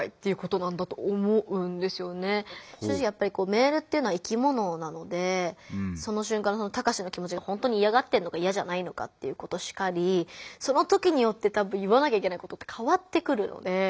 正直やっぱりメールっていうのは生きものなのでその瞬間のタカシの気もちがほんとにいやがってるのかいやじゃないのかっていうことしかりその時によって多分言わなきゃいけないことって変わってくるので。